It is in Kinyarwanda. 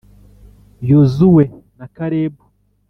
Yozuwe na Kalebu